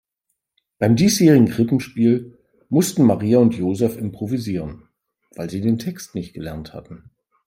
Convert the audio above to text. Beim diesjährigen Krippenspiel mussten Maria und Joseph improvisieren, weil sie den Text nicht gelernt hatten.